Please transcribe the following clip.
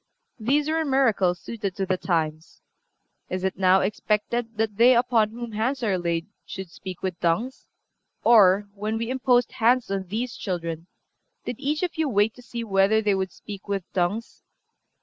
These were miracles suited to the times.... Is it now expected that they upon whom hands are laid should speak with tongues? Or, when we imposed hands on these children, did each of you wait to see whether they would speak with tongues?...